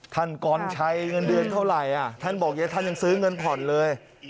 กรชัยเงินเดือนเท่าไหร่ท่านบอกท่านยังซื้อเงินผ่อนเลย